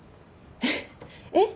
えっ？